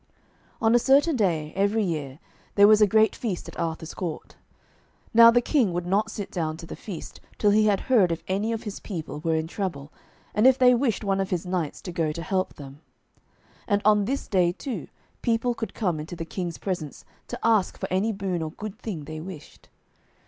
On a certain day, every year, there was a great feast at Arthur's court. Now the King would not sit down to the feast till he had heard if any of his people were in trouble, and if they wished one of his knights to go to help them. And on this day too, people could come into the King's presence to ask for any boon or good thing they wished.